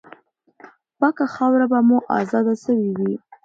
پاکه خاوره به مو آزاده سوې وي.